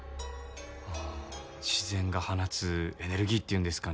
ああ自然が放つエネルギーっていうんですかね